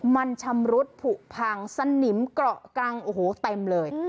มันชำรุดผุผังสนิมเกราะกลังเต็มเลย